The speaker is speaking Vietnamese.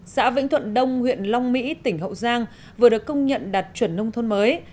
xã vĩnh thuận đông huyện long mỹ tỉnh hậu giang vừa được công nhận đạt chuẩn nông thôn mới